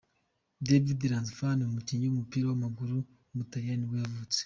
Davide Lanzafame, umukinnyi w’umupira w’amaguru w’umutaliyani nibwo yavutse.